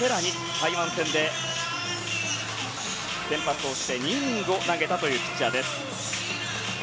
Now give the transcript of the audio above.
台湾戦で先発をして２イニングを投げたピッチャー。